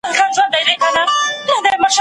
په کندهار کي د صنعت لپاره برېښنا څنګه برابریږي؟